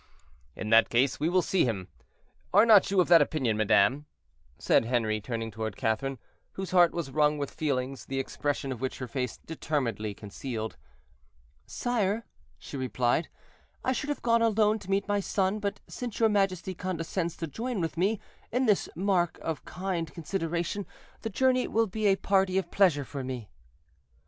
"In that case we will see him. Are not you of that opinion, madame?" said Henri, turning toward Catherine, whose heart was wrung with feelings, the expression of which her face determinedly concealed. "Sire," she replied, "I should have gone alone to meet my son; but since your majesty condescends to join with me in this mark of kind consideration, the journey will be a party of pleasure for me."